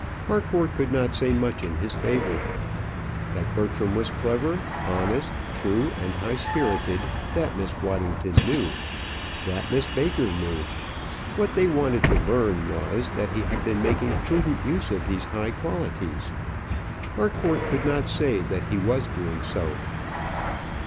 Harcourt could not say much in his favour. That Bertram was clever, honest, true, and high spirited, that Miss Waddington knew; that Miss Baker knew: what they wanted to learn was, that he was making prudent use of these high qualities. Harcourt could not say that he was doing so.